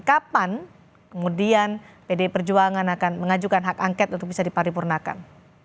kapan kemudian pdi perjuangan akan mengajukan hak angket untuk bisa diparipurnakan